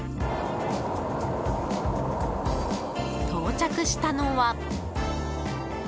到着したのは。